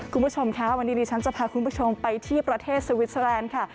คุณผู้ชมค่ะวันนี้ดิฉันจะพาคุณผู้ชมไปที่ประเทศสวิสเตอร์แลนด์ค่ะ